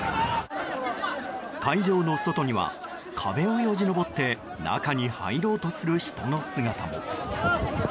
会場の外には、壁をよじ登って中に入ろうとする人の姿も。